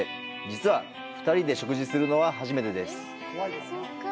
実は２人で食事するのは初めてです。